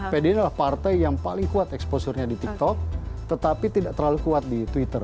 pdi adalah partai yang paling kuat exposure nya di tiktok tetapi tidak terlalu kuat di twitter